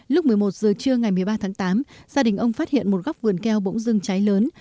lúc một mươi một giờ trưa ngày một mươi ba tháng tám gia đình ông phát hiện một góc vườn keo bỗng dưng cháy lớn